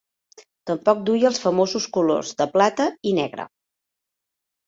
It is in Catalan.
Tampoc duia els famosos colors de plata i negre.